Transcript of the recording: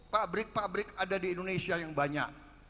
pabrik pabrik ada di indonesia yang banyak